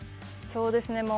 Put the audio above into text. そうですね。